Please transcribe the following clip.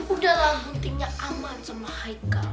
udahlah guntingnya aman sama heiko